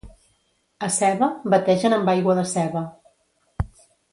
A Seva, bategen amb aigua de ceba.